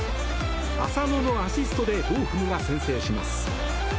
浅野のアシストでボーフムが先制します。